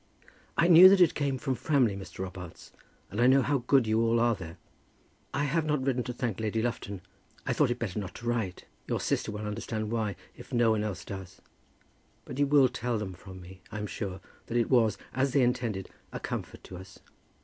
"I knew that it came from Framley, Mr. Robarts, and I know how good you all are there. I have not written to thank Lady Lufton. I thought it better not to write. Your sister will understand why, if no one else does. But you will tell them from me, I am sure, that it was, as they intended, a comfort to us.